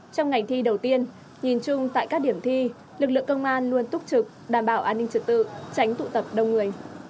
trong ngày thi đầu tiên nhìn chung tại các điểm thi lực lượng công an luôn túc trực đảm bảo an ninh trật tự tránh tụ tập đông người